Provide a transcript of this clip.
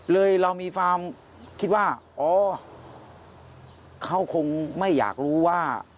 เรามีความคิดว่าอ๋อเขาคงไม่อยากรู้ว่า